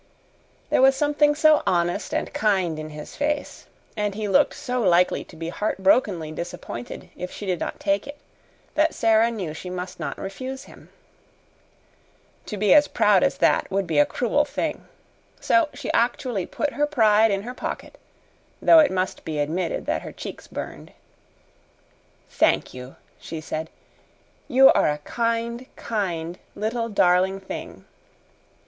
There was something so honest and kind in his face, and he looked so likely to be heartbrokenly disappointed if she did not take it, that Sara knew she must not refuse him. To be as proud as that would be a cruel thing. So she actually put her pride in her pocket, though it must be admitted her cheeks burned. "Thank you," she said. "You are a kind, kind little darling thing."